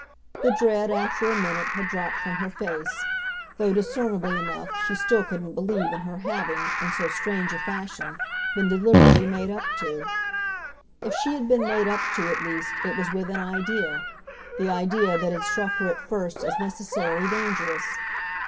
The dread, after a minute, had dropped from her face; though, discernibly enough, she still couldn't believe in her having, in so strange a fashion, been deliberately made up to. If she had been made up to, at least, it was with an idea the idea that had struck her at first as necessarily dangerous.